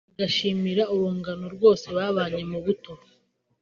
agashimira urungano rwose babanye mu buto